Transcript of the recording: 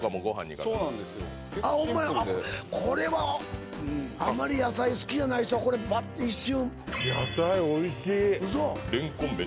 これはあんまり野菜好きじゃない人はこれ一瞬嘘！